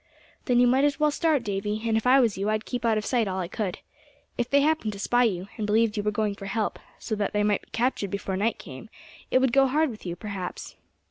"Then you might as well start, Davy; and if I was you I'd keep out of sight all I could. If they happened to spy you, and believed you were going for help, so that they might be captured before night came, it would go hard with you perhaps."